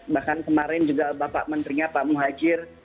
bahkan kemarin juga bapak menterinya pak muhajir